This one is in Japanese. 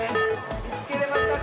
みつけれましたか？